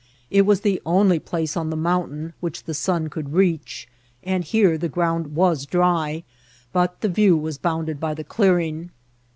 It was the only place on the mountain which the sun could reach, and here the ground was dry; but the view was bounded by the clearing.